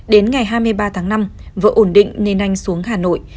đến ngày hai mươi ba tháng năm vợ ổn định nên anh xuống hà nội